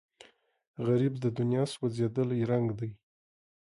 غریب د دنیا سوځېدلی رنګ دی